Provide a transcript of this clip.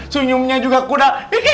sunyumnya juga kuda